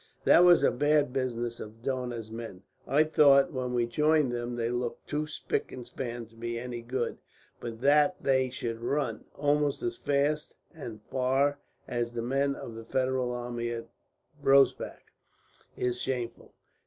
"That was a bad business of Dohna's men. I thought, when we joined them, they looked too spick and span to be any good; but that they should run, almost as fast and far as the men of the Federal army at Rossbach, is shameful.